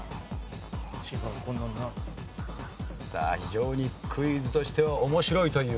さあ非常にクイズとしては面白いという。